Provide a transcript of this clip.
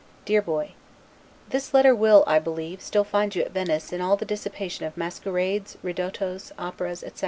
DEAR BOY: This letter will, I believe, still find you at Venice in all the dissipation of masquerades, ridottos, operas, etc.